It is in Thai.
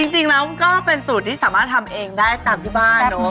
จริงแล้วก็เป็นสูตรที่สามารถทำเองได้ตามที่บ้านเนอะ